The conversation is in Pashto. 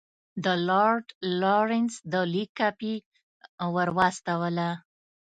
د لارډ لارنس د لیک کاپي ورواستوله.